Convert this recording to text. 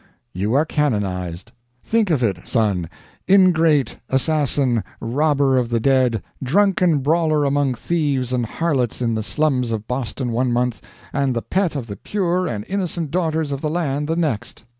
you are canonized. Think of it, son ingrate, assassin, robber of the dead, drunken brawler among thieves and harlots in the slums of Boston one month, and the pet of the pure and innocent daughters of the land the next!